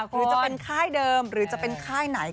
หรือจะเป็นค่ายเดิมหรือจะเป็นค่ายไหน